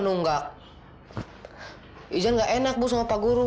nunggak ijan enak busur pagu ruh